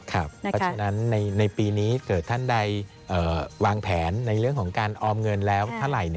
เพราะฉะนั้นในปีนี้เกิดท่านได้วางแผนในเรื่องของการออมเงินแล้วเท่าไหร่